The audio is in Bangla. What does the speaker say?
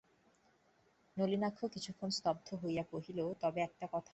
নলিনাক্ষ কিছুক্ষণ স্তব্ধ থাকিয়া কহিল, তবে একটা কথা তোমাকে বলি মা।